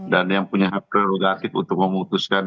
dan yang punya hak prerogatif untuk memutuskan